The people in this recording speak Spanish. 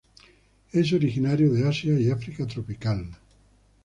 Es originario de Asia y África tropical.